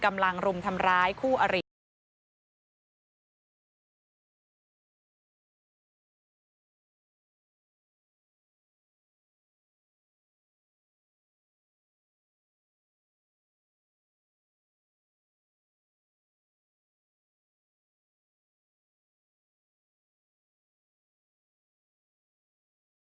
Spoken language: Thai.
คุณแม่ถูกทำร้ายจนได้รับบาดเจ็บไปด้วย